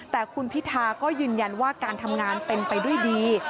แต่คุณพิธาก็ยืนยันว่าการทำงานเป็นไปด้วยดี